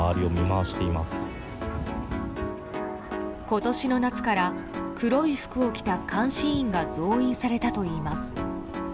今年の夏から黒い服を着た監視員が増員されたといいます。